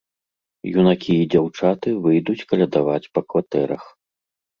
Юнакі і дзяўчаты выйдуць калядаваць па кватэрах.